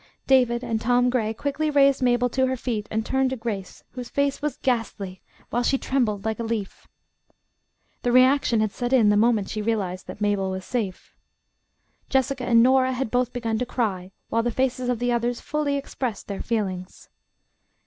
David and Tom Gray quickly raised Mabel to her feet and turned to Grace, whose face was ghastly, while she trembled like a leaf. The reaction had set in the moment she realized that Mabel was safe. Jessica and Nora had both begun to cry, while the faces of the others fully expressed their feelings.